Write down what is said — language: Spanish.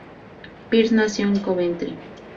Pears nació en Coventry.